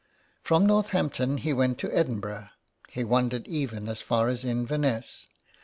From Northampton he went to Edinburgh, he wandered even as far as Inverness.